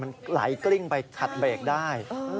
มันไหลกลิ้งไปขัดเบรกได้